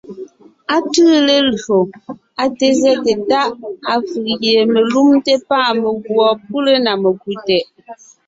Á tʉʉ lelÿò, á té zɛ́te Táʼ, afʉ̀ʼ gie melúmte pâ meguɔ pʉlé (na mekú) tɛʼ.